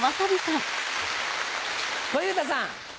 小遊三さん。